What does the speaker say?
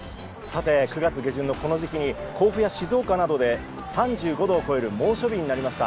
９月下旬のこの時期に甲府や静岡などで３５度を超える猛暑日になりました。